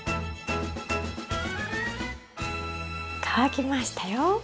乾きましたよ。